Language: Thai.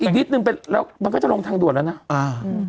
อีกนิดนึงไปแล้วมันก็จะลงทางด่วนแล้วนะอ่าอืม